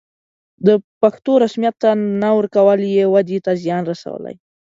د پښتو رسميت ته نه ورکول یې ودې ته زیان رسولی.